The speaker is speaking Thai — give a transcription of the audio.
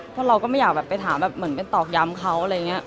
เพราะเราก็ไม่อยากไปถามมันเป็นตอบย้ำเค้า